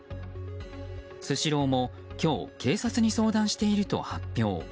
スシローも今日警察に相談していると発表。